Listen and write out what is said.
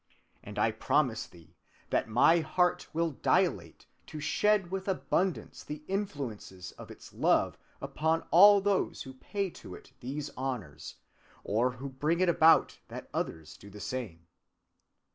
And I promise thee that my Heart will dilate to shed with abundance the influences of its love upon all those who pay to it these honors, or who bring it about that others do the same."